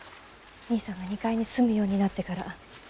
兄さんが２階に住むようになってから。